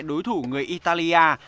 đối thủ người italia